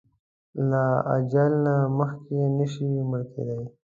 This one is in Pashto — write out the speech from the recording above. له اځل نه مخکې نه شې مړ کیدای!